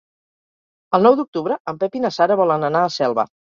El nou d'octubre en Pep i na Sara volen anar a Selva.